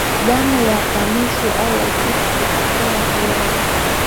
Damu na kamasi au uchafu kutokea puani